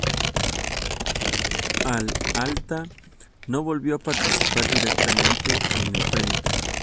Al alta, no volvió a participar directamente en el frente.